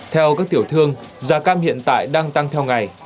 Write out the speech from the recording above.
theo các tiểu thương giá cam hiện tại đang tăng theo ngày